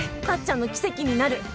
タッちゃんの奇跡になる。